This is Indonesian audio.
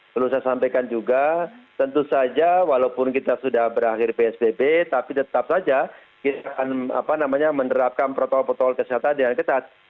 perlu saya sampaikan juga tentu saja walaupun kita sudah berakhir psbb tapi tetap saja kita menerapkan protokol protokol kesehatan dengan ketat